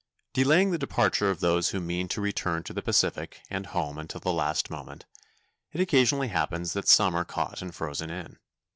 Delaying the departure of those who mean to return to the Pacific and home until the last moment, it occasionally happens that some are caught and frozen in.